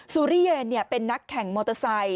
สุริเยนเป็นนักแข่งมอเตอร์ไซค